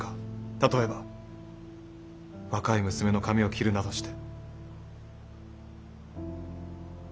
例えば若い娘の髪を切るなどして。は。